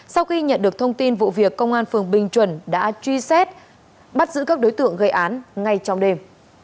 sau khi nhận được thông tin vụ việc công an phường bình chuẩn đã truy xét bắt giữ các đối tượng gây án ngay trong đêm